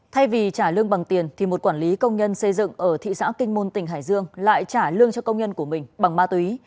thay vì trả lương bằng tiền một quản lý công nhân xây dựng ở thị xã kinh môn tỉnh hải dương lại trả lương cho công nhân của mình bằng ma túy